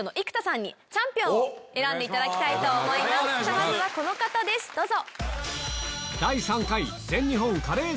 まずはこの方ですどうぞ。